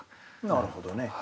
なるほどね。